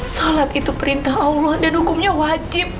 salat itu perintah allah dan hukumnya wajib